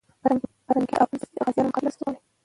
پرنګیانو د افغان غازیانو مقابله نسو کولای.